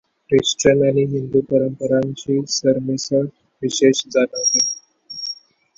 Christian आणि हिंदू परंपरांची सरमिसळ विशेष जाणवते.